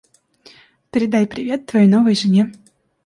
Передай привет твоей новой жене.